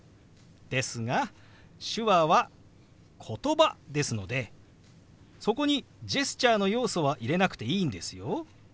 ですが手話はことばですのでそこにジェスチャーの要素は入れなくていいんですよ。